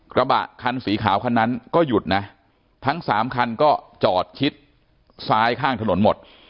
กระบะคันสีขาวคันนั้นก็หยุดนะทั้งสามคันก็จอดชิดซ้ายข้างถนนหมด